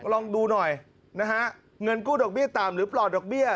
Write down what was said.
ลองดูหน่อยนะฮะเงินกู้ดอกเบี้ยต่ำหรือปลอดดอกเบี้ย